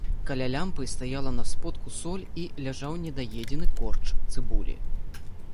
Каля лямпы стаяла на сподку соль і ляжаў недаедзены корч цыбулі.